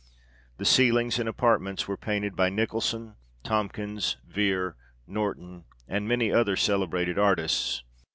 The ceilings and apartments were painted by Nicholson, Tomkins, Vere, Norton, and many other celebrated artists.